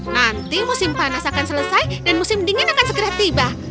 nanti musim panas akan selesai dan musim dingin akan segera tiba